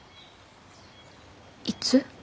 いつ？